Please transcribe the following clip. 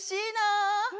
うん！